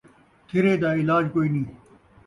تھِرے دا علاج کوئنی